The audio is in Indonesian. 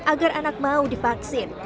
agar anak mau divaksin